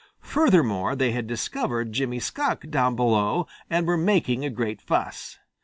Furthermore, they had discovered Jimmy Skunk down below and were making a great fuss.